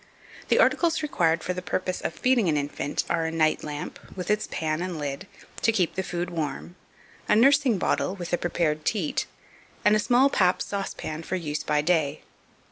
The articles required for the purpose of feeding an infant are a night lamp, with its pan and lid, to keep the food warm; a nursing bottle, with a prepared teat; and a small pap saucepan, for use by day.